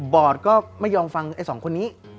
อดก็ไม่ยอมฟังไอ้สองคนนี้